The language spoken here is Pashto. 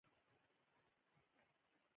د پیرودونکو مشورې د پرمختګ لامل دي.